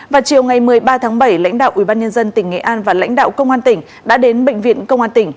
vào chiều ngày một mươi ba tháng bảy lãnh đạo ubnd tỉnh nghệ an và lãnh đạo công an tỉnh đã đến bệnh viện công an tỉnh